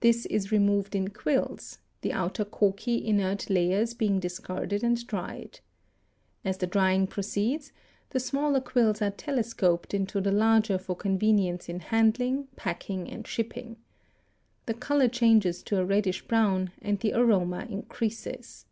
This is removed in quills, the outer corky inert layers being discarded and dried. As the drying proceeds the smaller quills are telescoped into the larger for convenience in handling, packing and shipping. The color changes to a reddish brown and the aroma increases.